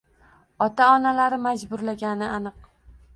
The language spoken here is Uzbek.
Ota-onalari majburlagani aniq